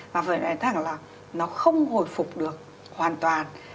và phải nói thẳng là nó không hồi phục được hoàn toàn